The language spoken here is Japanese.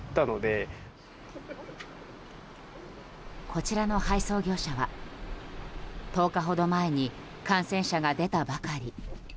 こちらの配送業者は１０日ほど前に感染者が出たばかり。